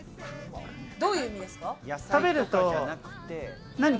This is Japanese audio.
どういう意味ですか？